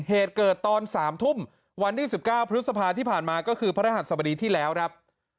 เหตุเกิดตอน๓ทุ่มวันที่๑๙พฤษภาที่ผ่านมาก็คือพระรหัสสบดีที่แล้วครับ